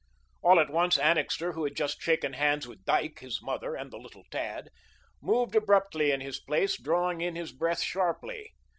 All at once Annixter, who had just shaken hands with Dyke, his mother and the little tad, moved abruptly in his place, drawing in his breath sharply.